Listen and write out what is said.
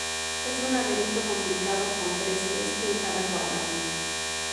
Es un laberinto complicado, con tres Ls en cada cuadrante.